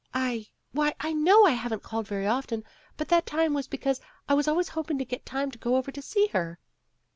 I why, I know I haven't called very often, but that was because I was always hoping to get time to go over to see her."